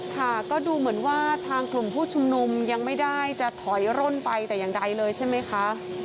ค่ะก็ดูเหมือนว่าทางกลุ่มผู้ชุมนุมยังไม่ได้จะถอยร่นไปแต่อย่างใดเลยใช่ไหมคะ